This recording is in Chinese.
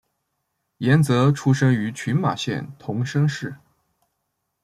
岩泽出生于群马县桐生市。